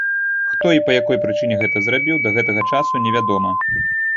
Хто і па якой прычыне гэта зрабіў, да гэтага часу невядома.